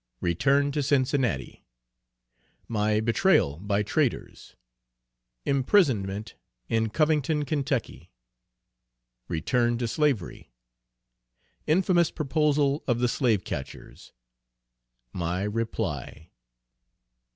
Return to Cincinnati. My betrayal by traitors. Imprisonment in Covington, Kentucky. Return to slavery. Infamous proposal of the slave catchers. My reply.